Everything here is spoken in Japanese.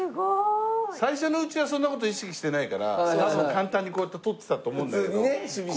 最初のうちはそんな事意識してないから多分簡単にこうやって捕ってたと思うんだけど。